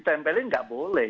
ditempelin nggak boleh